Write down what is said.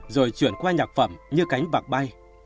rồi chuyển qua nhạc phẩm như cánh bạc bay